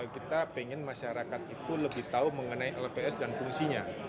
kita pengen masyarakat itu lebih tahu mengenai lps dan fungsinya